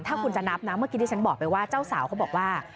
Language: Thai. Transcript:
ถ้าคุณจะนับนะเมื่อกี้ที่ฉันบอกไปว่าเจ้าสาวเขาบอกว่า